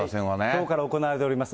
きょうから行われております